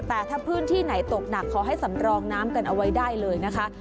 แต่ถ้าพื้นที่ไหนตกหนักขอให้สำรองน้ำกันเอาไว้ได้เลยนะคะ